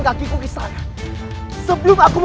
masuklah ke dalam